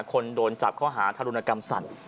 คนโดนจับข้อหาธรุณกรรมสัตว์